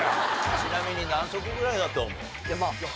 ちなみに何足ぐらいだと思う？